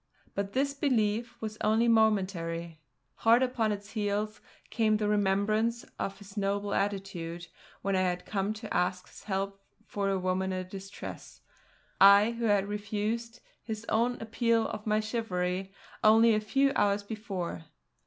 But this belief was only momentary. Hard upon its heels came the remembrance of his noble attitude when I had come to ask his help for a woman in distress I who had refused his own appeal to my chivalry only a few hours before.